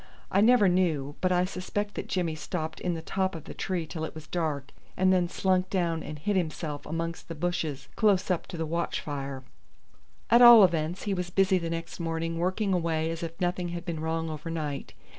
I never knew, but I suspect that Jimmy stopped in the top of the tree till it was dark and then slunk down and hid himself amongst the bushes close up to the watch fire. At all events he was busy the next morning working away as if nothing had been wrong overnight.